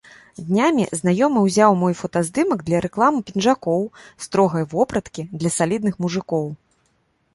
Днямі знаёмы ўзяў мой фотаздымак для рэкламы пінжакоў, строгай вопраткі для салідных мужыкоў.